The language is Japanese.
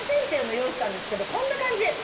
っていうのを用意したんですけどこんな感じ。